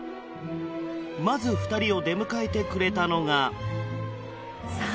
まず２人を出迎えてくれたのがさあ